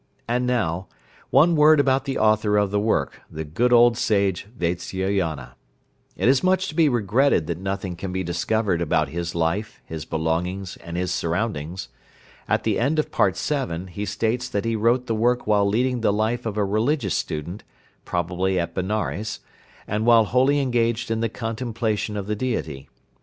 And now, one word about the author of the work, the good old sage Vatsyayana. It is much to be regretted that nothing can be discovered about his life, his belongings, and his surroundings. At the end of Part VII. he states that he wrote the work while leading the life of a religious student [probably at Benares] and while wholly engaged in the contemplation of the Deity.